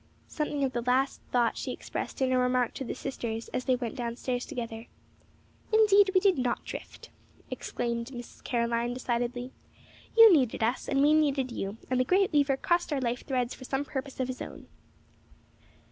Something of the last thought she expressed in a remark to the sisters as they went down stairs together. "Indeed, we did not drift!" exclaimed Miss Caroline, decidedly. "You needed us, and we needed you, and the great Weaver crossed our life threads for some purpose of his own."